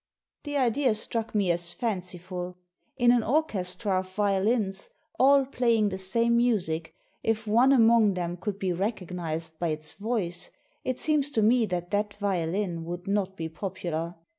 The idea struck me as fanciful. In an orchestra of violins, all playing the same music, if one among them could be recognised by its voice, it seems to me that that violin would not be popular.